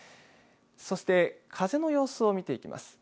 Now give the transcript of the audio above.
そして風の様子を見ていきます。